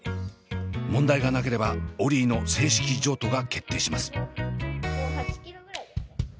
問題がなければオリィの正式譲渡が決定します。